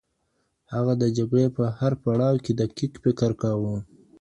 هغه د جګړې په هر پړاو کې دقیق فکر کاوه.